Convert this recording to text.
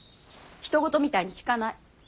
ひと事みたいに聞かない。